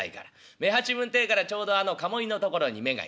目八分ってえからちょうどあの鴨居の所に目が行くな。